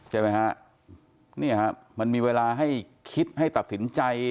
เจอไหมคะนี่มันมีเวลาให้คิดให้ตัดสินใจ